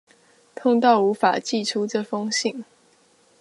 痛到無法寄出這封信